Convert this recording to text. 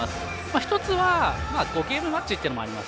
１つは５ゲームマッチというのもあります。